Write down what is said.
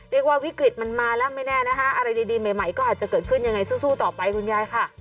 วิกฤตมันมาแล้วไม่แน่นะคะอะไรดีใหม่ก็อาจจะเกิดขึ้นยังไงสู้ต่อไปคุณยายค่ะ